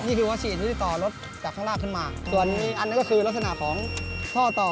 นี่คือวัคซีนที่จะต่อรถจากข้างล่างขึ้นมาส่วนอีกอันนั้นก็คือลักษณะของท่อต่อ